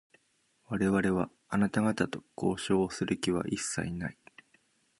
我々は、あなた方と交渉をする気は一切ない。